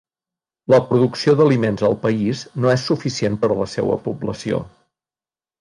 La producció d'aliments al país no és suficient per a la seva població.